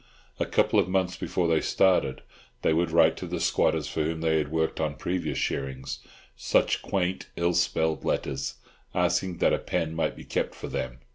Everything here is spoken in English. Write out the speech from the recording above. A couple of months before they started, they would write to the squatters for whom they had worked on previous shearings—such quaint, ill spelled letters—asking that a pen might be kept for them.